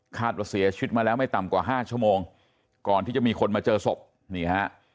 ว่าเสียชีวิตมาแล้วไม่ต่ำกว่าห้าชั่วโมงก่อนที่จะมีคนมาเจอศพนี่ฮะ